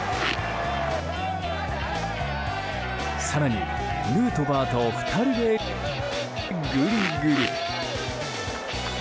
更に、ヌートバーと２人でグリグリ。